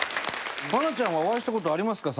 愛菜ちゃんはお会いした事ありますか？